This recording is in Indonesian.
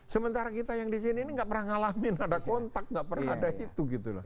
sementara kita yang disini ini gak pernah ngalamin ada kontak gak pernah ada itu gitu loh